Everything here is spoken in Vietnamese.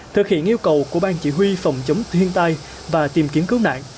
thực hiện yêu cầu của ban chỉ huy phòng chống thiên tai và tìm kiếm cứu nạn